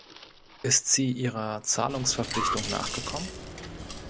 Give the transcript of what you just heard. Ist sie ihrer Zahlungsverpflichtung nachgekommen?